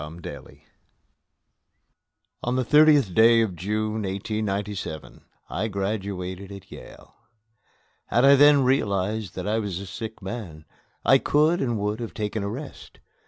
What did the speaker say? II On the thirtieth day of June, 1897, I graduated at Yale. Had I then realized that I was a sick man, I could and would have taken a rest.